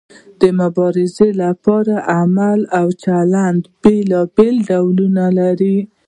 د مبارزې لپاره عمل او چلند بیلابیل ډولونه لري.